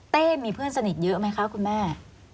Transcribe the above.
มีเพื่อนสนิทเยอะไหมคะคุณแม่